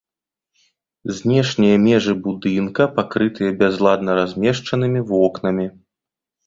Знешнія межы будынка пакрытыя бязладна размешчанымі вокнамі.